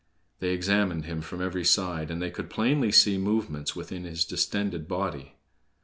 They examined him from every side, and they could plainly see movements within his distended body.